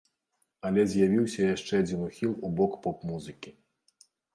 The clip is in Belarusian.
Але з'явіўся яшчэ адзін ухіл у бок поп-музыкі.